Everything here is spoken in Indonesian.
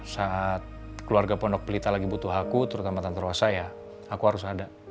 saat keluarga pondok pelita lagi butuh aku terutama tante rasa ya aku harus ada